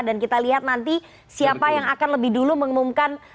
dan kita lihat nanti siapa yang akan lebih dulu mengumumkan